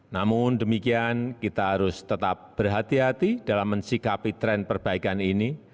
namun demikian kita harus tetap berhati hati dalam mensikapi tren perbaikan ini